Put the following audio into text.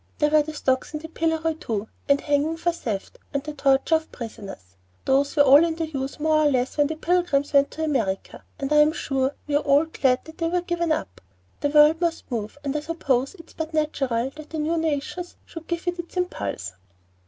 There were the stocks and the pillory too, and hanging for theft, and the torture of prisoners. Those were all in use more or less when the Pilgrims went to America, and I'm sure we're all glad that they were given up. The world must move, and I suppose it's but natural that the new nations should give it its impulse."